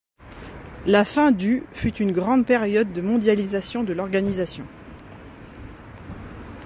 La fin du fut une grande période de mondialisation de l’organisation.